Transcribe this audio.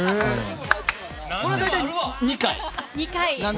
これは大体２回。